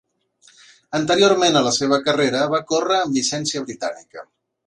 Anteriorment a la seva carrera, va córrer amb llicència britànica.